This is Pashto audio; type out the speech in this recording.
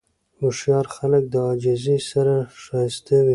هوښیار خلک د عاجزۍ سره ښایسته وي.